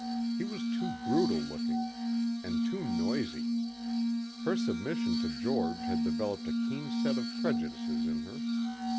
He was too brutal looking. And too noisy. Her submission to George had developed a keen set of prejudices in her.